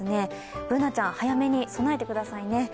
Ｂｏｏｎａちゃん、早めに備えてくださいね。